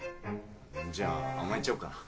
じゃ甘えちゃおっかな。